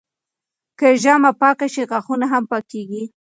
که ژامه پاکه شي، غاښونه هم پاکېږي.